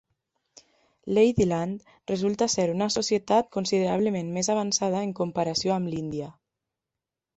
Ladyland resulta ser una societat considerablement més avançada en comparació amb l'Índia.